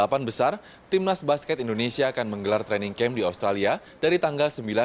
keempat besar timnas basket indonesia akan menggelar training camp di australia dari tanggal